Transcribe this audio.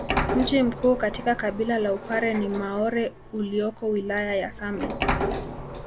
Mji mkuu katika kabila la upare ni maore ulioko wilaya ya same